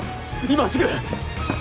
今すぐ！